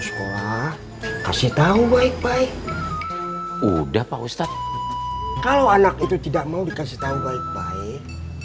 sekolah kasih tahu baik baik udah pak ustadz kalau anak itu tidak mau dikasih tahu baik baik